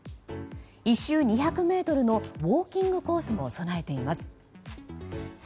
１周２００ｍのウォーキングコースも備えています。